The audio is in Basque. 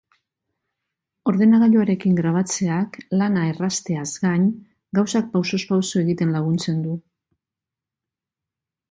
Ordenagailuarekin grabatzeak lana errazteaz gain, gauzak pausoz pauso egiten laguntzen du.